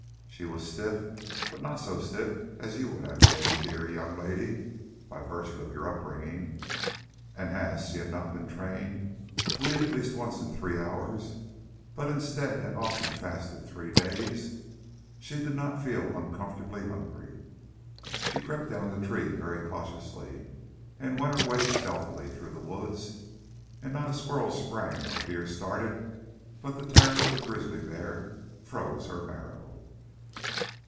She was stiff, but not so stiff as you would have been, dear young lady (by virtue of your upbringing), and as she had not been trained to eat at least once in three hours, but instead had often fasted three days, she did not feel uncomfortably hungry. She crept down the tree very cautiously, and went her way stealthily through the wood, and not a squirrel sprang or deer started but the terror of the grizzly bear froze her marrow.